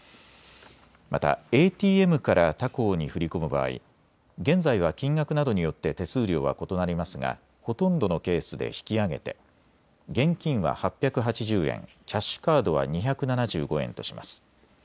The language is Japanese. またＡＴＭから他行に振り込む場合、現在は金額などによって手数料は異なりますがほとんどのケースで引き上げて現金は８８０円、キャッシュカードは２７５円とします。